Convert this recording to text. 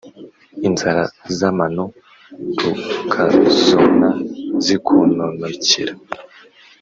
inzara z’amano rukazona zikononokera